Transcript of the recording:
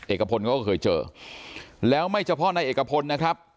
เอกพลเขาก็เคยเจอแล้วไม่เฉพาะในเอกพลนะครับ